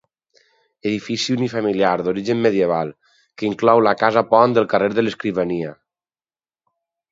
Edifici unifamiliar d'origen medieval, que inclou la casa-pont del carrer de l'Escrivania.